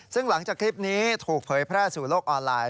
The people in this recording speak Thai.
ซึ่งหลังจากคลิปนี้ถูกเผยแพร่สู่โลกออนไลน์